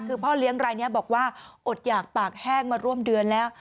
คือพ่อเลี้ยงรายนี้บอกว่าอดหยากปากแห้งมาร่วมเดือนแล้ว